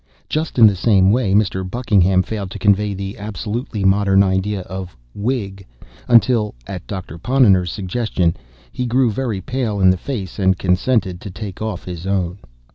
Just in the same way Mr. Buckingham failed to convey the absolutely modern idea "wig," until (at Doctor Ponnonner's suggestion) he grew very pale in the face, and consented to take off his own.